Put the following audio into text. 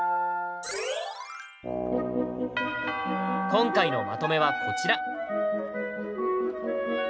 今回のまとめはこちら！